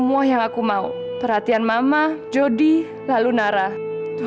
mungkin mau perging kayak nya begitu